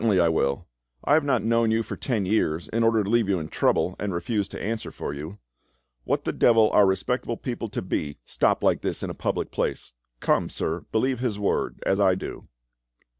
"Certainly I will; I have not known you for ten years in order to leave you in trouble and refuse to answer for you. What the devil are respectable people to be stopped like this in a public place? Come, sir, believe his word, as I do."